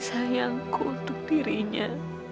sayangku untuk dirinya